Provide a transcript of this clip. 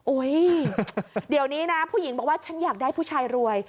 เดี๋ยวนี้นะผู้หญิงบอกว่าฉันอยากได้ผู้ชายรวย